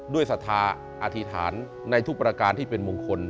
ศรัทธาอธิษฐานในทุกประการที่เป็นมงคล